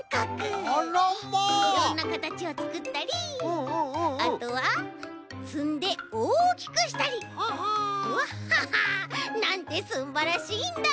いろんなかたちをつくったりあとはつんでおおきくしたりワッハハなんてすんばらしいんだ！